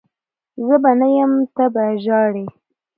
زه به نه یم ته به ژهړي